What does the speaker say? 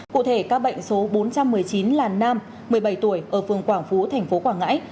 cụ thể các bệnh số bốn trăm một mươi chín là nam một mươi bảy tuổi ở phường quảng phú tp quảng ngãi